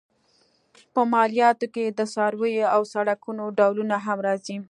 په مالیاتو کې د څارویو او سړکونو ډولونه هم راځي.